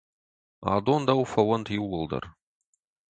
Адон дӕу фӕуӕнт иууылдӕр.